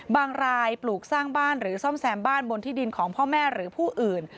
รายปลูกสร้างบ้านหรือซ่อมแซมบ้านบนที่ดินของพ่อแม่หรือผู้อื่น